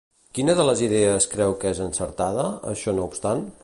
Quina de les idees creu que és encertada, això no obstant?